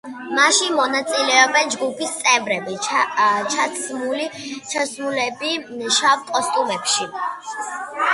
მასში მონაწილეობენ ჯგუფის წევრები, ჩაცმულები შავ კოსტუმებში.